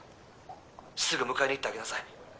すぐ迎えに行ってあげなさい。